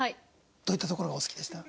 どういったところがお好きでした？